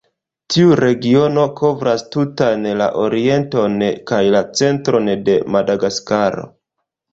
Tiu regiono kovras tutan la orienton kaj la centron de Madagaskaro.